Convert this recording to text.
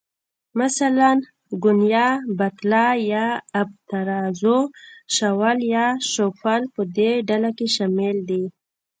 مثلاً، ګونیا، بتله یا آبترازو، شاول یا شافول په دې ډله کې شامل دي.